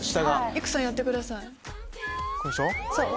育さんやってください。